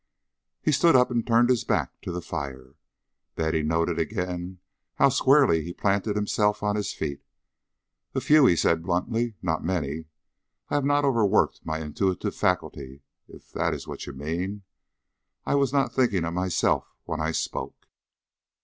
He stood up and turned his back to the fire. Betty noted again how squarely he planted himself on his feet. "A few," he said bluntly. "Not many. I have not overworked my intuitive faculty, if that is what you mean. I was not thinking of myself when I spoke."